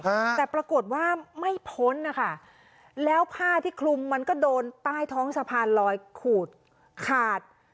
อ่าแต่ปรากฏว่าไม่พ้นนะคะแล้วผ้าที่คลุมมันก็โดนใต้ท้องสะพานลอยขูดขาด